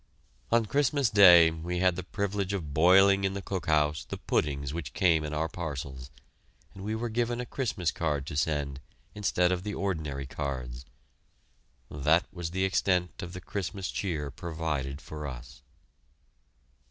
On Christmas Day we had the privilege of boiling in the cook house the puddings which came in our parcels, and we were given a Christmas card to send instead of the ordinary cards that was the extent of the Christmas cheer provided for us.